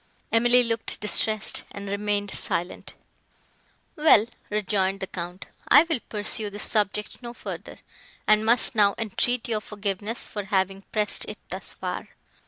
Emily looked distressed, and remained silent. "Well," rejoined the Count, "I will pursue this subject no further, and must now entreat your forgiveness for having pressed it thus far.